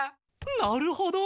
なるほど！